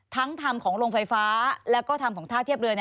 ทำของโรงไฟฟ้าแล้วก็ทำของท่าเทียบเรือ